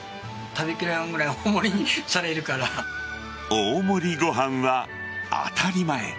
大盛りご飯は当たり前。